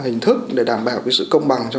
người dân sau đó